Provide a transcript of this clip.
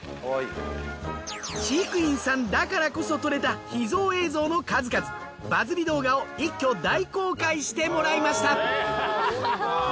飼育員さんだからこそ撮れた秘蔵映像の数々バズり動画を一挙大公開してもらいました。